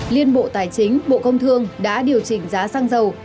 liên bộ tài chính bộ công thương đã điều chỉnh giá xăng dầu